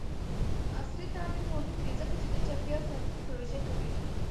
عصري تعلیم مهم دی ځکه چې د چاپیریال ساتنې پروژې کوي.